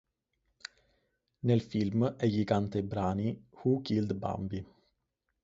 Nel film egli canta i brani "Who Killed Bambi?